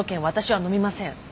私はのみません。